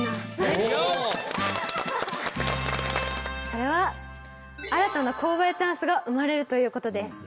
それは新たな購買チャンスが生まれるということです。